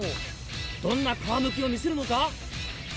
どんな皮剥きを見せるのか？